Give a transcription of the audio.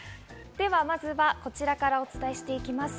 では、まずはこちらからお伝えしていきます。